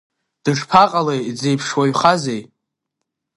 Дышԥаҟалеи, дзеиԥш уаҩхазеи?